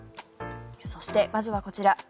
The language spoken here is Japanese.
そしてまずはこちら。